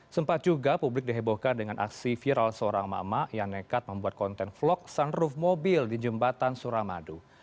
sempat juga publik dihebohkan dengan aksi viral seorang emak emak yang nekat membuat konten vlog sunroof mobil di jembatan suramadu